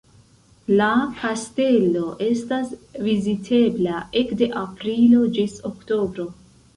La kastelo estas vizitebla ekde aprilo ĝis oktobro.